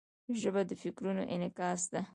ژبه د فکرونو انعکاس ده.